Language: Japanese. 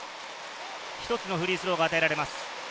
１つのフリースローが与えられます。